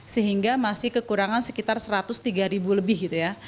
sehingga masih kekurangan sekitar satu ratus tiga ribu lebih gitu ya